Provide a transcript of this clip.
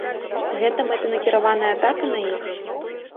Гэта мэтанакіраваная атака на іх?